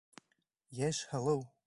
Йәш, һылыу.